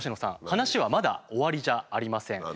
話はまだ終わりじゃありません。